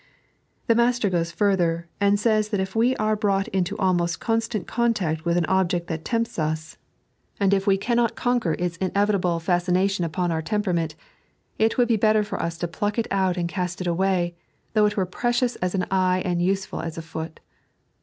The Master goes further, and says that if we are brought into almost constant contact with an object that tempts us, 3.n.iized by Google 64 The Rule of the Eye. and if we cannot conqaer its inevitable fascination upon our temperament, it would be better for us to pluck It out and cast it away, though it were precious as an eye and useful as a foot.